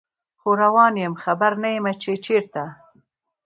خو روان یم خبر نه یمه چې چیرته